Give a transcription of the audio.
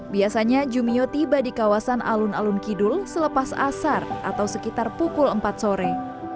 biasanya jumio tiba di kawasan alun alun kidul selepas asar atau sekitar pukul empat sore